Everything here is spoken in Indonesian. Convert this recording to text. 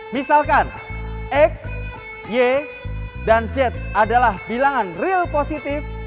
misalkan x y dan z adalah bilangan real positif